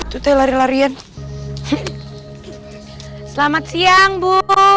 selamat siang bu